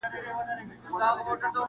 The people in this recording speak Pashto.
دا جهان خوړلی ډېرو په فریب او په نیرنګ دی,